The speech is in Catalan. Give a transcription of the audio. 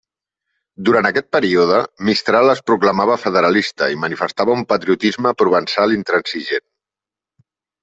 Durant aquest període, Mistral es proclamava federalista i manifestava un patriotisme provençal intransigent.